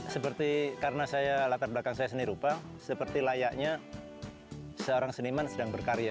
seperti karena saya latar belakang saya seni rupa seperti layaknya seorang seniman sedang berkarya